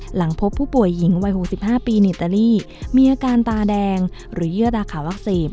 หลังพบผู้ป่วยหญิงวัย๖๕ปีในอิตาลีมีอาการตาแดงหรือเยื่อตาขาวอักเสบ